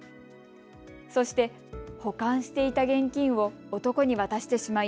そして、保管していた現金を男に渡してしまい。